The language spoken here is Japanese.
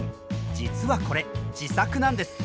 実はこれ自作なんです。